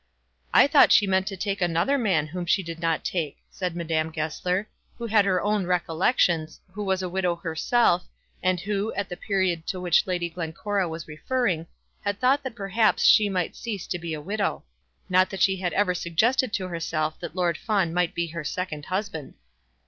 "I thought she meant to take another man whom she did not take," said Madame Goesler, who had her own recollections, who was a widow herself, and who, at the period to which Lady Glencora was referring, had thought that perhaps she might cease to be a widow. Not that she had ever suggested to herself that Lord Fawn might be her second husband.